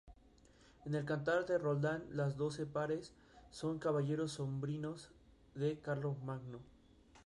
En el Cantar de Roldán los doce pares son caballeros sobrinos de Carlomagno.